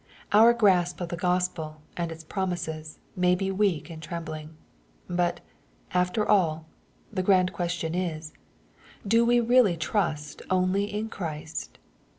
Our grasp of the Gospel, and its promises, may be weak and trembling. But, after all, the grand question is, do we really trust only in Christ